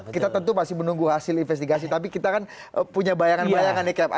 kita tentu masih menunggu hasil investigasi tapi kita kan punya bayangan bayangan nih cap